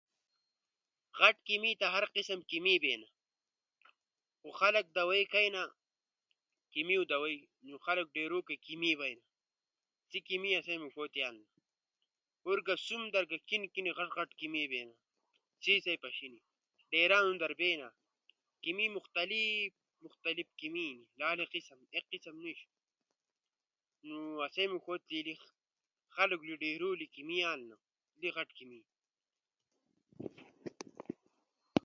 غٹ کیِمی تا ہرقسم کیِمی بینا، خو خلگ دوائی کئینا، کیِمیو دوائی نو خلق ڈھیرو کئی کیمی بئینا۔ سا کیِمی آسئی موݜو تی آلنی، ہورگا سون ر کہ غٹ غٹ کیمی بئینا، ا چیں چین پشینی، ڈھیران در بینا۔ کیمی مختلف اینی لالے قسم ہنی ایک قسم نیِش۔ نو آسئی موݜو تی خلقو تی ڈھہیرو تی کیمی آلنا۔ غٹ کیمی۔